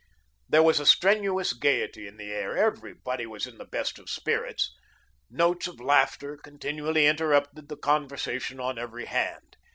There was a strenuous gayety in the air; everybody was in the best of spirits. Notes of laughter continually interrupted the conversation on every hand.